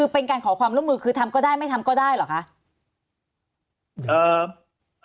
เป็นการขอความร่วมมือคือทำก็ได้ไม่ทำก็ได้เหรอคะ